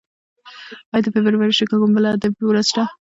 ایا د فبرورۍ میاشت کې کومه بله ادبي ورځ شته؟